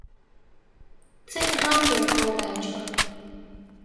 即刻藥到病除